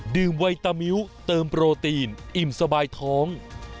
ไวตามิ้วเติมโปรตีนอิ่มสบายท้อง